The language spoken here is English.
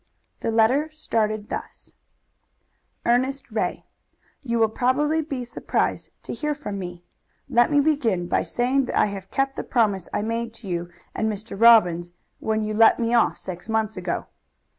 The letter started thus: Ernest Ray: You will probably be surprised to hear from me. Let me begin by saying that I have kept the promise I made to you and Mr. Robbins when you let me off six months ago.